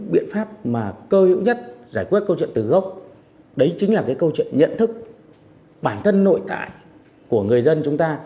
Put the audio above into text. biện pháp mà cơ hữu nhất giải quyết câu chuyện từ gốc đấy chính là cái câu chuyện nhận thức bản thân nội tại của người dân chúng ta